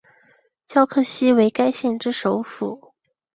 皎克西为该县之首府。